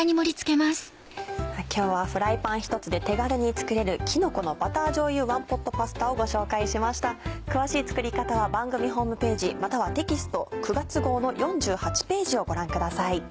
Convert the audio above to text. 今日はフライパン１つで手軽に作れる「きのこのバターじょうゆワンポットパスタ」をご紹介しました詳しい作り方は番組ホームページまたはテキスト９月号の４８ページをご覧ください。